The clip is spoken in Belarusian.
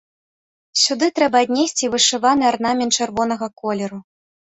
Сюды трэба аднесці і вышываны арнамент чырвонага колеру.